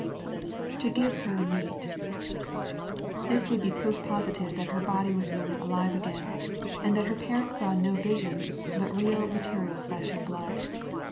[7b give Tier meat.] This would be proof positive that her body was really alive again, and that her parents saw no vision, but reai material flesh and blood.